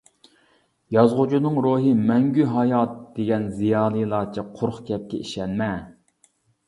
يازغۇچىنىڭ روھى مەڭگۈ ھايات دېگەن زىيالىيلارچە قۇرۇق گەپكە ئىشەنمە.